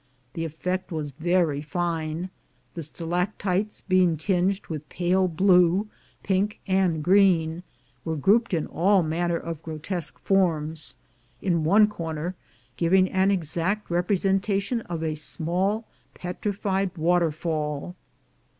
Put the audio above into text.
The effect was very fine ; the stalac tites, being tinged with pale blue, pink, and green, were grouped in all manner of grotesque forms, in one corner giving an exact representation of a small petri fied waterfall.